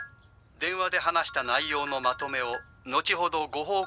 電話で話した内容のまとめを後ほどご報告いたしますか？